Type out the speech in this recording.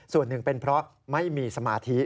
ส่วนหนึ่งเป็นเพราะไม่มีสมาธิ